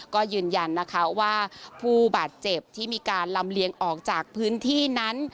ก็ยืนยันนะคะว่าผู้บาดเจ็บที่มีการลำเลียงออกจากพื้นที่นั้น